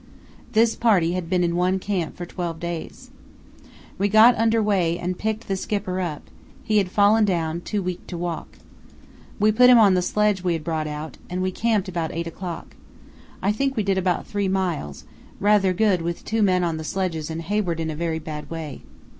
This party had been in one camp for twelve days. We got under way and picked the Skipper up; he had fallen down, too weak to walk. We put him on the sledge we had brought out, and we camped about 8 o'clock. I think we did about three miles, rather good with two men on the sledges and Hayward in a very bad way.